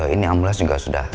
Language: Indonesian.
ini ambulans juga sudah